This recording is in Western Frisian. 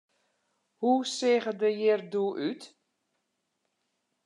Hoe seach it der hjir doe út?